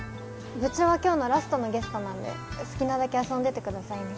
部長は今日のラストのゲストなんで好きなだけ遊んでてくださいね。